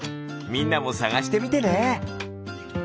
みんなもさがしてみてね。